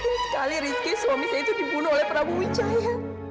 saya yakin sekali rizky suami saya itu dibunuh oleh prabu wijaya